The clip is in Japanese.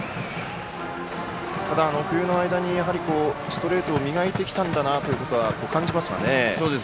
ただ、冬の間にストレートを磨いてきたんだなということは感じますかね。